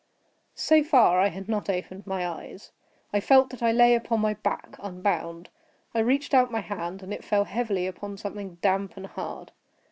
So far, I had not opened my eyes. I felt that I lay upon my back, unbound. I reached out my hand, and it fell heavily upon something damp and hard.